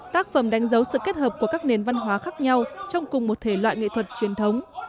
tác phẩm đánh dấu sự kết hợp của các nền văn hóa khác nhau trong cùng một thể loại nghệ thuật truyền thống